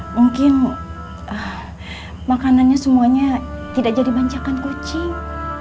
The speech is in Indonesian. mungkin makanannya semuanya tidak jadi bancakan kucing